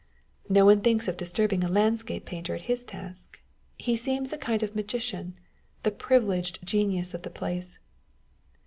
No one thinks of disturbing a landscape painter at his task : he seems a kind of magician, the privileged genius of the place.